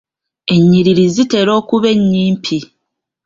Ennyiriri zitera okuba ennyimpi.